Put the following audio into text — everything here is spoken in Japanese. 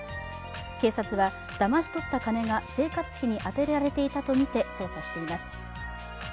警察はだまし取った金が生活費に充てられていたとみて捜査しています。